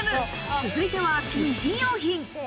続いてはキッチン用品。